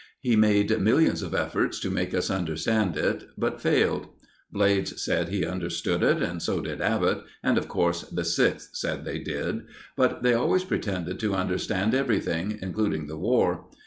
He made millions of efforts to make us understand it, but failed. Blades said he understood it, and so did Abbott, and, of course, the Sixth said they did. But they always pretend to understand everything, including the War.